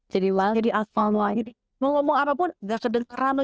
jadi mau ngomong apapun dah sederhana